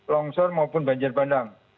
longshore maupun banjir bandang